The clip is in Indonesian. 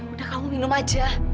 udah kamu minum aja